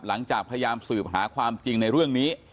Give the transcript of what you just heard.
หลังจากพยายามสืบหาความจริงในเรื่องนี้